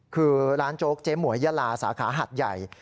คือร้านโจ๊กเจ๊หมวยยาลาสาขาหัดใหญ่